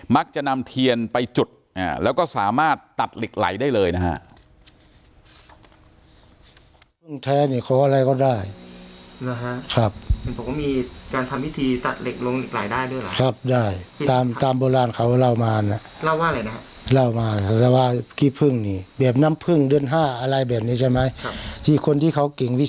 นำเทียนไปจุดแล้วก็สามารถตัดเหล็กไหลได้เลยนะฮะ